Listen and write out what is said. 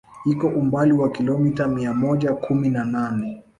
Iko umbali wa kilomita mia moja kumi na nane